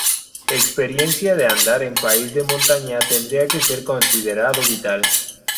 Experiencia de andar en país de montaña tendría que ser considerado vital.